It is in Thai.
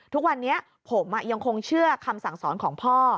ทุกวันนี้ผมยังคงเชื่อคำสั่งสอนของพ่อ